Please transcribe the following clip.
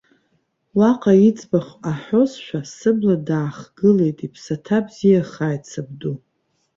Уаҟа иӡбахә аҳәозшәа, сыбла даахгылеит, иԥсаҭа бзиахааит, сабду.